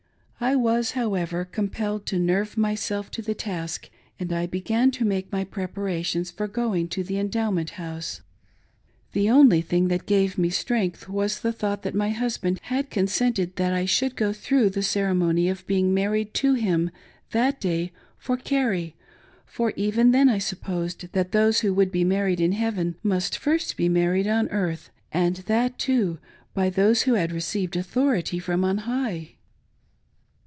I was, however, com pelled to nerve myself to the task, and I began to make my preparations for going to the Endowment House. The only thing that gave me strength was the thought that my husband had consented that I should go through the ceremony of being married to him that day for Carrie ; for even then I supposed that those who would be married in heaven must first be mar ried on earth, and that, too, by those who had received author ity from on high.